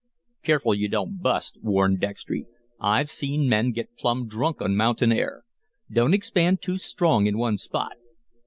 "Careful you don't bust," warned Dextry. "I've seen men get plumb drunk on mountain air. Don't expand too strong in one spot."